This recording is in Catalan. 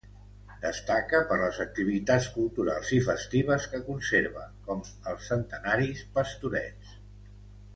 Destaca per les activitats culturals i festives que conserva, com els centenaris Pastorets.